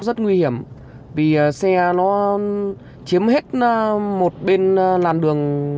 rất nguy hiểm vì xe nó chiếm hết một bên làn đường